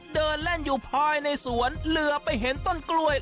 เดินเล่นอยู่ภายในสวนเหลือไปเห็นต้นกล้วย